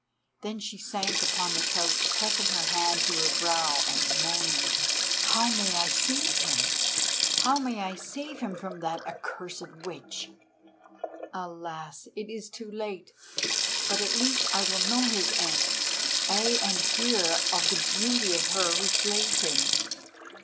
Then she sank upon the couch, pressing her hand to her brow and moaning: "How may I save him? How may I save him from that accursed witch? Alas! It is too late—but at least I will know his end, ay, and hear of the beauty of her who slays him.